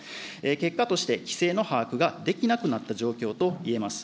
結果として、規制の把握ができなくなった状況といえます。